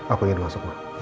aku ingin masuk ma